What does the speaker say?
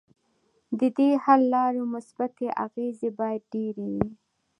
ددې حل لارو مثبتې اغیزې باید ډیرې وي.